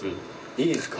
いいですか？